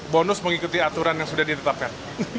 bonus mengikuti aturan yang sudah ditetapkan